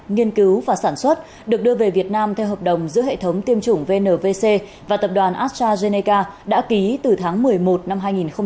nghiên cứu và sản xuất được đưa về việt nam theo hợp đồng giữa hệ thống tiêm chủng vnvc và tập đoàn astrazeneca đã ký từ tháng một mươi một năm hai nghìn một mươi bảy